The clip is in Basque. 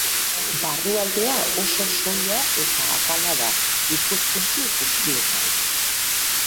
Barrualdea oso soila eta apala da ikuspuntu guztietatik.